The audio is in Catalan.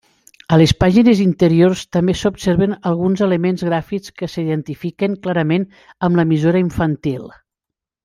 A les pàgines interiors també s'observen alguns elements gràfics que s'identifiquen clarament amb l'emissora infantil.